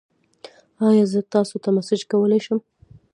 ایا زه تاسو ته میسج کولی شم؟